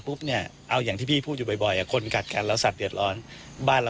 เนี่ยเอาอย่างที่พี่พูดอยู่บ่อยคนกัดกันแล้วสัตว์เดือดร้อนบ้านเรา